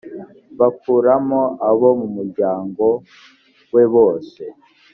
bakuramo abo mu muryango we bose